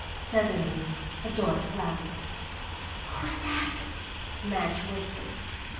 Suddenly a door slammed. "What was that?" Madge whispered.